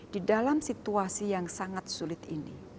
di dalam situasi yang sangat sulit ini